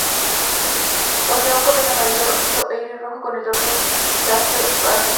Posee un copete amarillo-rojizo e iris rojo, con el dorso grisáceo a negruzco.